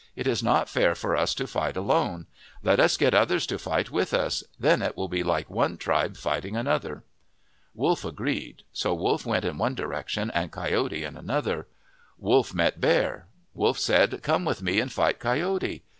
It is not fair for us to fight alone. Let us get others to fight with us. Then it will be like one tribe fighting another." Wolf agreed. So Wolf went in one direction and Coyote in another. Wolf met Bear. Wolf said, " Come with me and fight Coyote."